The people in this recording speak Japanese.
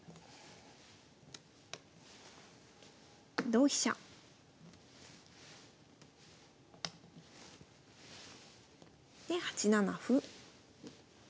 同飛車。で８七歩。